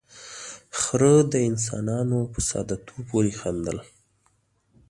، خره د انسانانو په ساده توب پورې خندل.